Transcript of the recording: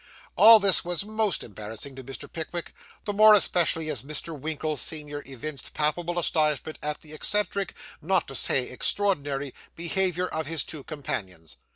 All this was most embarrassing to Mr. Pickwick, the more especially as Mr. Winkle, senior, evinced palpable astonishment at the eccentric not to say extraordinary behaviour of his two companions.